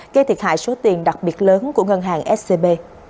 gây thiệt hại số tiền đặc biệt lớn của ngân hàng scb